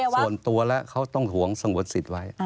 ส่วนตัวแล้วเขาต้องห่วงสงวนสิทธิ์ไว้